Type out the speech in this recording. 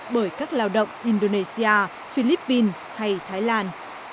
bởi các lao động indonesia philippines hay thái lan